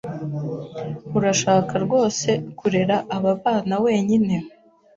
Urashaka rwose kurera aba bana wenyine?